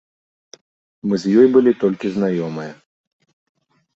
Мы з ёй былі толькі знаёмыя.